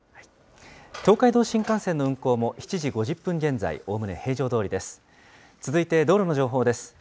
東海道新幹線の運行も、７時５０分現在、おおむね平常どおりです。